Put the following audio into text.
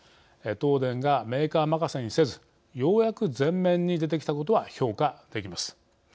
東電がメーカーまかせにせずようやく前面に出てきたことは評価できます。